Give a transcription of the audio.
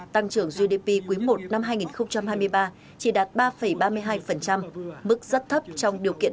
tăng trưởng gdp quý i năm hai nghìn hai mươi ba chỉ đạt ba ba mươi hai mức rất thấp trong điều kiện